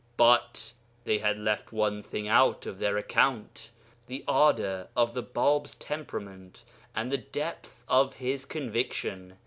But they had left one thing out of their account the ardour of the Bāb's temperament and the depth of his conviction.